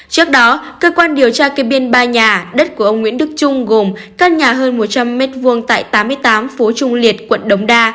trước đó cơ quan điều tra kê biên ba nhà đất của ông nguyễn đức trung gồm căn nhà hơn một trăm linh m hai tại tám mươi tám phố trung liệt quận đống đa